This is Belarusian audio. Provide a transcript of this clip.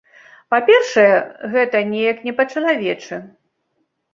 Па-першае, гэта неяк не па-чалавечы.